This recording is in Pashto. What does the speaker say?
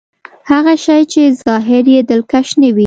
هغه شی چې ظاهر يې دلکش نه وي.